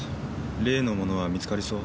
例のものは見つかりそう？